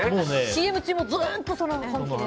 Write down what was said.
ＣＭ中もずっとその話。